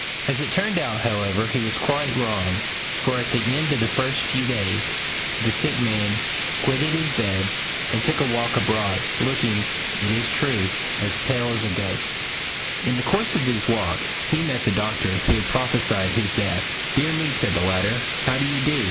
As it turned out, however, he was quite wrong; for at the end of a few days the sick man quitted his bed and took a walk abroad, looking, it is true, as pale as a ghost. In the course of his walk he met the Doctor who had prophesied his death. "Dear me," said the latter, "how do you do?